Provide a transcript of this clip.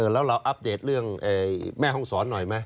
แล้วเราอัปเดตเรื่องแม่ห้องศรหน่อยไหม